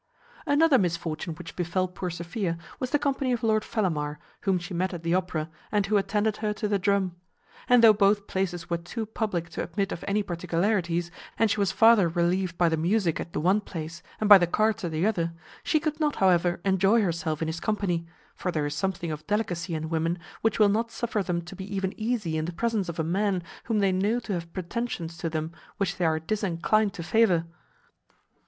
Another misfortune which befel poor Sophia was the company of Lord Fellamar, whom she met at the opera, and who attended her to the drum. And though both places were too publick to admit of any particularities, and she was farther relieved by the musick at the one place, and by the cards at the other, she could not, however, enjoy herself in his company; for there is something of delicacy in women, which will not suffer them to be even easy in the presence of a man whom they know to have pretensions to them which they are disinclined to favour.